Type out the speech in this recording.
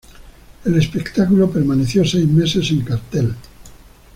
El espectáculo permaneció seis meses en cartel.